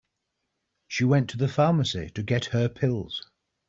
She went to the pharmacy to get her pills.